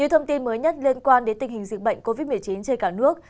kính chào tạm biệt và hẹn gặp lại